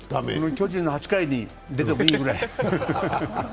巨人の８回に出てもいいぐらい。